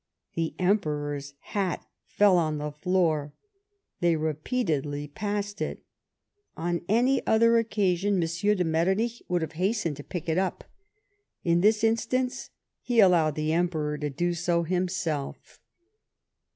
The Emperor's hat fell on the floor. They repeatedly passed it. On any other occasion M. de Metternich would have hastened to pick it up. In this instance, he allowed the Emperor to do so himself.